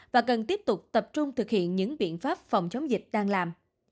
và cần tiếp tục tập trung thực hiện những biện pháp phòng chống dịch đang làm